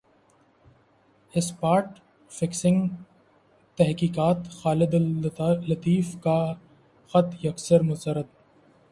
spot fixing تحقیقات خالد لطیف کا خط یکسر مسترد